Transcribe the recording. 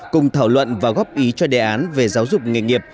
cùng thảo luận và góp ý cho đề án về giáo dục nghề nghiệp